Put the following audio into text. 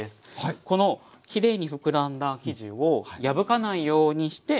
このきれいにふくらんだ生地を破かないようにして成形していきます。